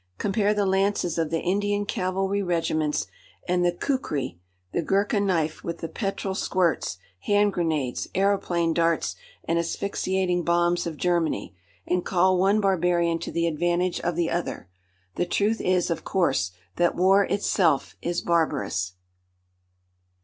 Compare the lances of the Indian cavalry regiments and the kukri, the Ghurka knife, with the petrol squirts, hand grenades, aëroplane darts and asphyxiating bombs of Germany, and call one barbarian to the advantage of the other! The truth is, of course, that war itself is barbarous.